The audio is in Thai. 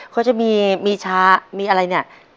เขาจะมีช้ามีอะไรเนี่ย